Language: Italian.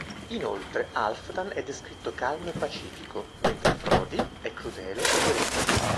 Inoltre Halfdan è descritto calmo e pacifico, mentre Fróði è crudele e violento.